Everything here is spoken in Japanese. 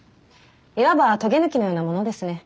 いわばとげ抜きのようなものですね。